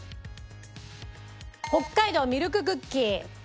北海道ミルククッキー。